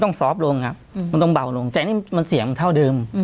ซอฟต์ลงครับมันต้องเบาลงแต่นี่มันเสี่ยงเท่าเดิม